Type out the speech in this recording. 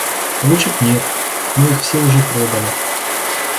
Ручек нет, мы их все уже продали.